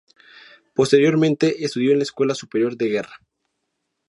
Posteriormente estudió en la Escuela Superior de Guerra.